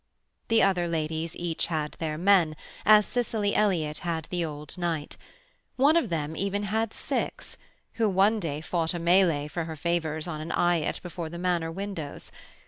The other ladies each had their men, as Cicely Elliott had the old knight. One of them had even six, who one day fought a mêlée for her favours on an eyot before the manor windows.